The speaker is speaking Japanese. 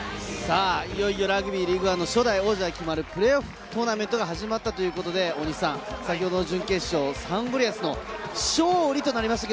いよいよラグビーリーグワンの初代王者が決まるプレーオフトーナメントが始まったということで、先ほどの準決勝、サンゴリアスの勝利となりました。